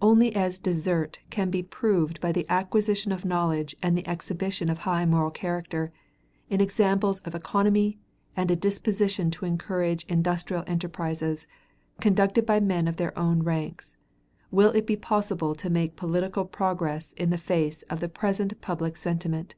Only as desert can be proved by the acquisition of knowledge and the exhibition of high moral character, in examples of economy and a disposition to encourage industrial enterprises, conducted by men of their own ranks, will it be possible to make political progress in the face of the present public sentiment.